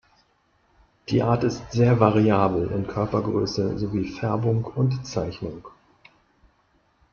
Die Art ist sehr variabel in Körpergröße sowie Färbung und Zeichnung.